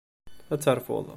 Ad terfuḍ.